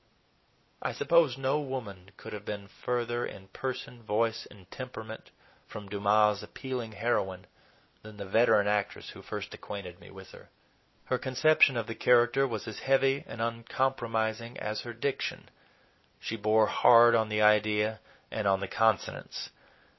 I suppose no woman could have been further in person, voice, and temperament from Dumas' appealing heroine than the veteran actress who first acquainted me with her. Her conception of the character was as heavy and uncompromising as her diction; she bore hard on the idea and on the consonants.